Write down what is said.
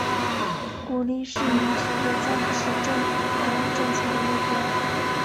鼓励市民置业再不是政府房屋政策的目标。